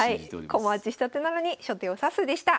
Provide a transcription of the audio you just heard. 「駒落ち下手なのに初手を指す」でした。